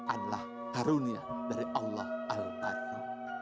adalah karunia dari allah al aqsa